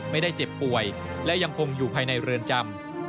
ไม่ได้เจ็บป่วยและยังคงอยู่ภายในเรือนจำ